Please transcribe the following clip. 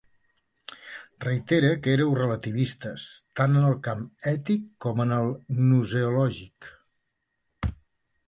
Reitere que éreu relativistes tant en el camp ètic com en el gnoseològic.